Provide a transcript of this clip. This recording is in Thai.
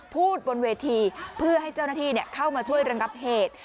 บนเวทีเพื่อให้เจ้าหน้าที่เข้ามาช่วยระงับเหตุ